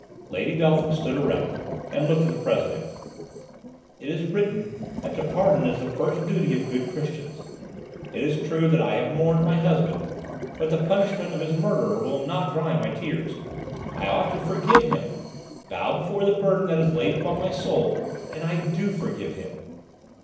Lady Beltham stood erect, and looked at the President. "It is written that to pardon is the first duty of good Christians. It is true that I have mourned my husband, but the punishment of his murderer will not dry my tears; I ought to forgive him, bow beneath the burden that is laid upon my soul: and I do forgive him!"